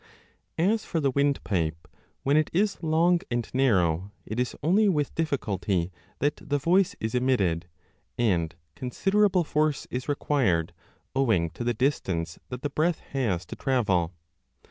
20 As for the windpipe, when it is long and narrow, it is only with difficulty that the voice is emitted, and con siderable force is required owing to the distance that the breath has to travel.